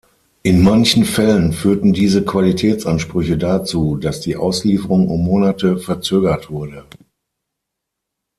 In manchen Fällen führten diese Qualitätsansprüche dazu, dass die Auslieferung um Monate verzögert wurde.